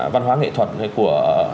văn hóa nghệ thuật của